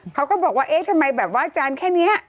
เขาก็บอกว่าเอ๊ะทำไมแบบว่าอาจารย์แค่นี้